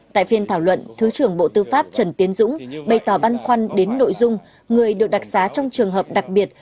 tại phiên thảo luận thứ trưởng bộ tư pháp trần tiến dũng bày tỏ băn khoăn đến nội dung người được đặc xá trong trường hợp đặc biệt